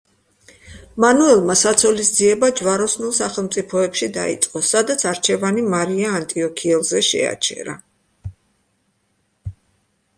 მანუელმა საცოლის ძიება ჯვაროსნულ სახელმწიფოებში დაიწყო, სადაც არჩევანი მარია ანტიოქიელზე შეაჩერა.